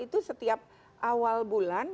itu setiap awal bulan